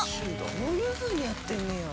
こういうふうにやってんねや。